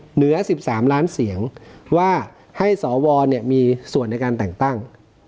เหนือสิบสามล้านเสียงว่าให้สวเนี่ยมีส่วนในการแต่งตั้ง